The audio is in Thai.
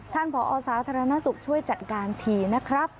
ผอสาธารณสุขช่วยจัดการทีนะครับ